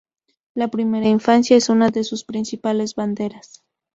La primera infancia es una de sus principales banderas.